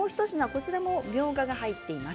こちらにもみょうがが入っています。